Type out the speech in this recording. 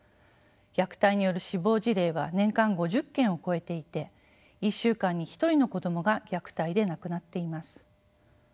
虐待による死亡事例は年間５０件を超えていて１週間に１人の子どもが虐待で亡くなっています。